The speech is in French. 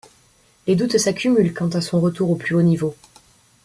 Les doutes s'accumulent quant à son retour au plus haut niveau.